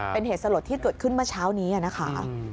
เป็นเหตุสลดที่เกิดขึ้นเมื่อเช้านี้นะคะ